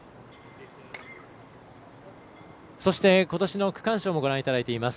そして、ことしの区間賞をご覧いただいています。